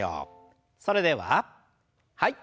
それでははい。